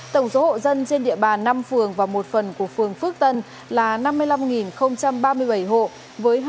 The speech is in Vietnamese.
tổng số hộ dân trên địa bàn năm phường và một phần của phường phước tân là năm mươi năm ba mươi bảy hộ với hai trăm năm mươi năm năm trăm linh nhân khẩu